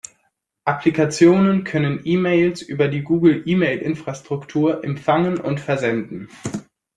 Applikationen können E-Mails über die Google-E-Mail-Infrastruktur empfangen und versenden.